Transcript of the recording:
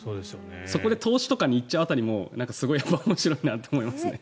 そこで投資とかに行っちゃう辺りもすごい面白いなと思いますね。